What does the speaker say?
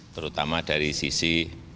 terutama dari sisi